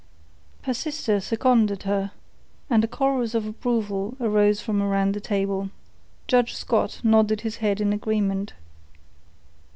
Her sister seconded her, and a chorus of approval arose from around the table. Judge Scott nodded his head in agreement.